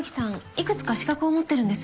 いくつか資格を持ってるんです。